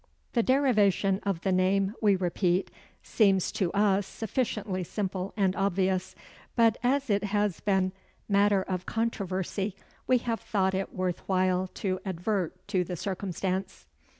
The derivation of the name, we repeat, seems to us sufficiently simple and obvious; but as it has been matter of controversy, we have thought it worth while to advert to the circumstance.